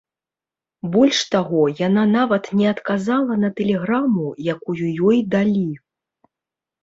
Больш таго, яна нават не адказала на тэлеграму, якую ёй далі.